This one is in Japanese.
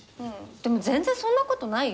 でも全然そんなことないよ。